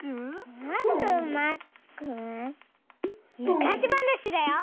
むかしばなしだよ。